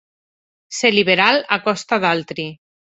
Ser liberal a costa d'altri.